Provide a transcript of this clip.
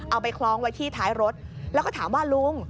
ไปคล้องไว้ที่ท้ายรถแล้วก็ถามว่าลุง